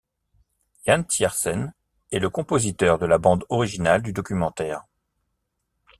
Yann Tiersen est le compositeur de la bande originale du documentaire.